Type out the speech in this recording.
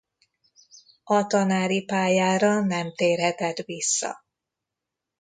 A tanári pályára nem térhetett vissza.